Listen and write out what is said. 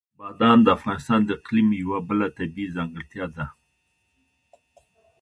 بادام د افغانستان د اقلیم یوه بله طبیعي ځانګړتیا ده.